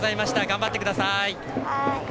頑張ってください！